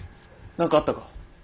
何かあったか？